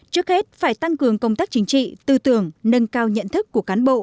trước hết phải tăng cường công tác chính trị tư tưởng nâng cao nhận thức của cán bộ